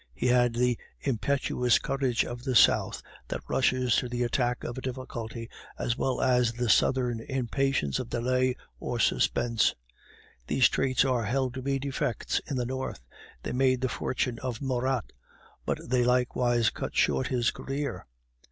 He had the impetuous courage of the South, that rushes to the attack of a difficulty, as well as the southern impatience of delay or suspense. These traits are held to be defects in the North; they made the fortune of Murat, but they likewise cut short his career.